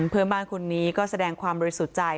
เพื่อนบ้านคนนี้ก็แสดงความบริสุทธิ์ใจ